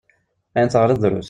Ayen teɣriḍ drus.